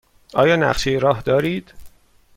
آیا نقشه راه دارید؟